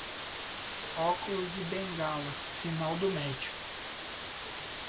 Óculos e bengala, sinal do médico.